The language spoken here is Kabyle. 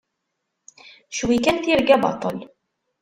Cwi kan tirga baṭel!